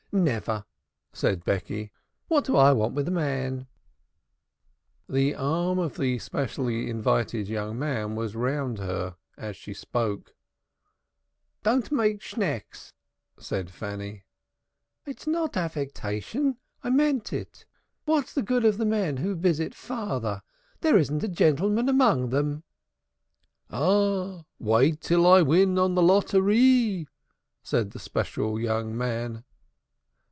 "Never," said Becky. "What do I want with a man?" The arm of the specially invited young man was round her as she spoke. "Don't make schnecks," said Fanny. "It's not affectation. I mean it. What's the good of the men who visit father? There isn't a gentleman among them." "Ah, wait till I win on the lottery," said the special young man.